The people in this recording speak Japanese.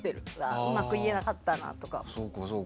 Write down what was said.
うまく言えなかったなとか。